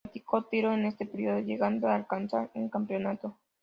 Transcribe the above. Practicó tiro en este período, llegando a alcanzar un campeonato.